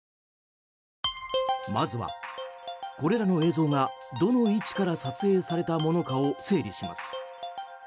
まずは、これらの映像がどの位置から撮影されたものかを整理します。